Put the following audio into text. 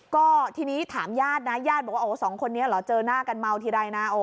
ก็ทีนี้ถามญาตินะญาติบอกว่าโอ้สองคนนี้เหรอเจอหน้ากันเมาทีไรนะ